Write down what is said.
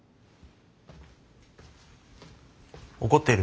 怒ってる？